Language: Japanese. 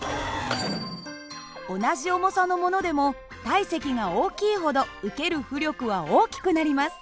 同じ重さのものでも体積が大きいほど受ける浮力は大きくなります。